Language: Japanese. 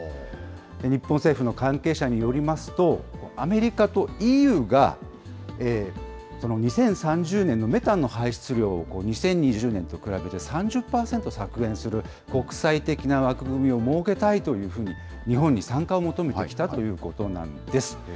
日本政府の関係者によりますと、アメリカとＥＵが、２０３０年のメタンの排出量を２０２０年と比べて３０％削減する国際的な枠組みを設けたいというふうに、日本に参加を求めてきたということなんです。